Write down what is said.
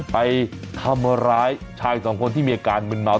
ไปทำร้ายชายสองคนที่มีอาการมึนเมา